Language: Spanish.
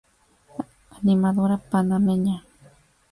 Animadora panameña.